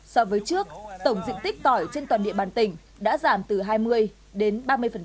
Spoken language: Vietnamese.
so với trước tổng diện tích tỏi trên toàn địa bàn tỉnh đã giảm từ hai mươi đến ba mươi